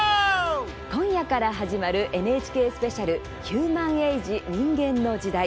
今夜から始まるＮＨＫスペシャル「ヒューマンエイジ人間の時代」。